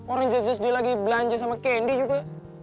orang jelas jelas dia lagi belanja sama candy juga